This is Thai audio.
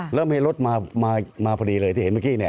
แล้วมีรถมาพอดีเลยที่เห็นเมื่อกี้เนี่ย